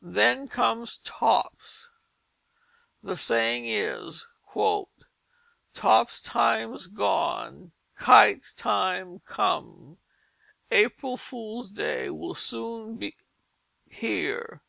Then come tops. The saying is, "Top time's gone, kite time's come, April Fool's Day will soon be here."